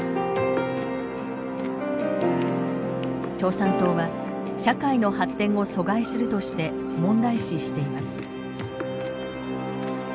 共産党は社会の発展を阻害するとして問題視しています。